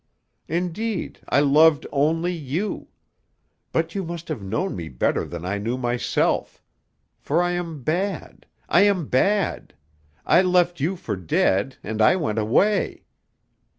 Indeed, I loved only you. But you must have known me better than I knew myself. For I am bad. I am bad. I left you for dead and I went away."